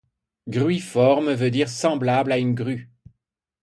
Gruiforme veut dire semblable à une grue.